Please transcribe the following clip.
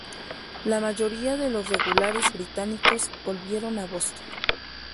La mayoría de los regulares británicos volvieron a Boston.